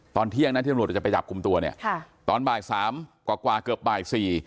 ตอนเที่ยงนะที่ตำรวจจะไปจับกลุ่มตัวเนี่ยตอนบ่ายสามกว่าเกือบบ่ายสี่